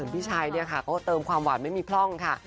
เพราะเติมความหวานไม่ความพรองค่ะ